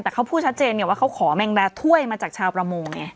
แต่เขาพูดชัดเจนไงว่าเขาขอแมงดาถ้วยมาจากชาวประมงไง